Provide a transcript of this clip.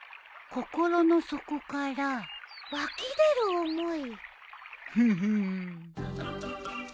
心の底から湧き出る思い。